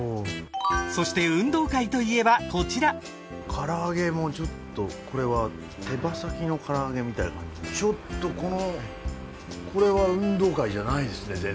そして運動会といえばこちら唐揚げもちょっとこれは手羽先の唐揚げみたいな感じでちょっとこのこれは運動会じゃないですね